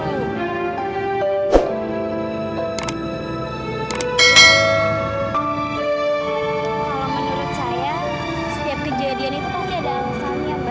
kalau menurut saya setiap kejadian itu pasti ada alasannya